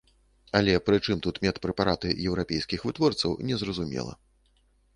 Але прычым тут медпрэпараты еўрапейскіх вытворцаў, незразумела.